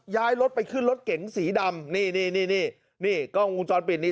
ย้ายรถไปขึ้นรถเก๋งสีดำนี่นี่นี่กล้องวงจรปิดนี้